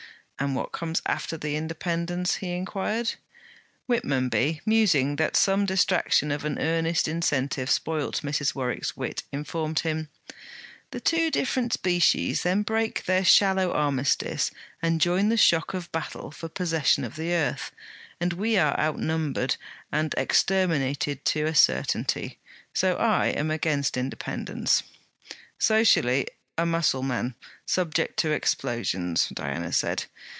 'And what comes after the independence?' he inquired. Whitmonby, musing that some distraction of an earnest incentive spoilt Mrs. Warwick's wit, informed him: 'The two different species then break their shallow armistice and join the shock of battle for possession of the earth, and we are outnumbered and exterminated, to a certainty. So I am against independence.' 'Socially a Mussulman, subject to explosions!' Diana said.